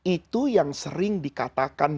itu yang sering dikatakan